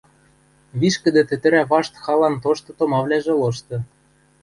Вишкӹдӹ тӹтӹрӓ вашт халан тошты томавлӓжӹ лошты